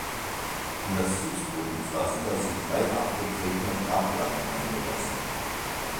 In das Fußbodenpflaster sind drei abgetretene Grabplatten eingelassen.